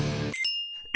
「え？